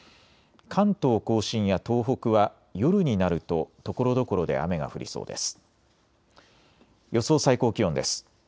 関東甲信や東北は夜になるとところどころで雨が降りそうです。